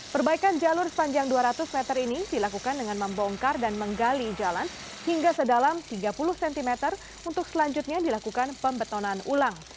perbaikan jalur sepanjang dua ratus meter ini dilakukan dengan membongkar dan menggali jalan hingga sedalam tiga puluh cm untuk selanjutnya dilakukan pembetonan ulang